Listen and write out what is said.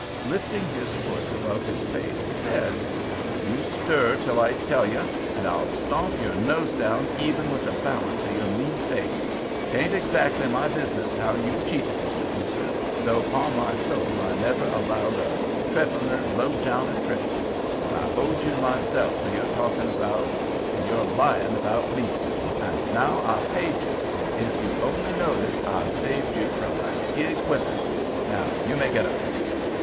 Lifting his foot above his face, he said: "You stir till I tell you, an' I'll stomp your nose down even with the balance of your mean face. 'Tain't exactly my business how you cheated Mr. Fluker, though, 'pon my soul, I never knowed a trifliner, lowdowner trick. But I owed you myself for your talkin' 'bout and your lyin' 'bout me, and now I've paid you; an' ef you only knowed it, I've saved you from a gig whippin'. Now you may git up."